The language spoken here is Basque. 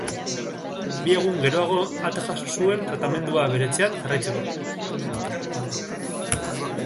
Bi egun geroago alta jaso zuen tratamendua bere etxean jarraitzeko.